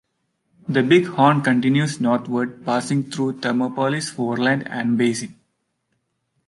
The Bighorn continues northward, passing through Thermopolis, Worland, and Basin.